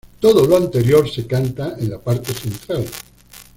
Todo lo anterior se canta en la parte central.